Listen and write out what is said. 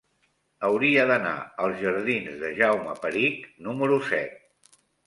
Hauria d'anar als jardins de Jaume Perich número set.